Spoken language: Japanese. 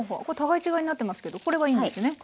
これ互い違いになってますけどこれはいいんですね。